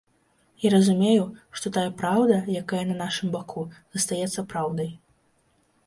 Я разумею, што тая праўда, якая на нашым баку, застаецца праўдай.